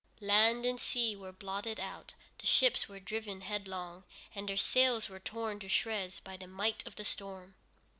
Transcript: Land and sea were blotted out, the ships were driven headlong, and their sails were torn to shreds by the might of the storm.